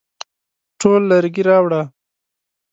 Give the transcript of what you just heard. ټوله لرګي راوړه ؟